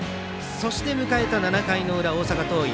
そして迎えた７回の裏、大阪桐蔭。